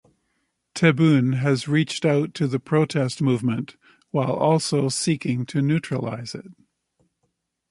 Tebboune has reached out to the protest movement while also seeking to neutralise it.